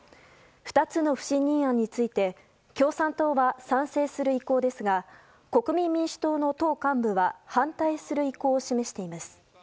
２つの不信任案について共産党は賛成する意向ですが国民民主党の党幹部は反対する意向を示しています。